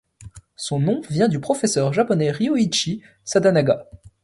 Son nom vient du professeur japonais Ryōichi Sadanaga.